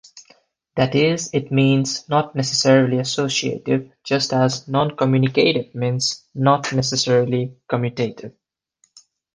That is, it means "not necessarily associative" just as "noncommutative" means "not necessarily commutative".